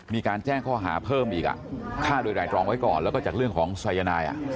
มีการแจ้งข้อหาเพิ่มอีกฆ่าโดยไห่ตรองไว้ก่อนแล้วก็จากเรื่องของสายนาย